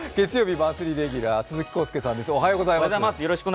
マンスリーレギュラー鈴木浩介さんです。